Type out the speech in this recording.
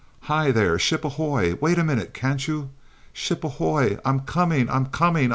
Hi, there! Ship ahoy! Wait a minute can't you? Ship ahoy! I'm coming I'm comi ing.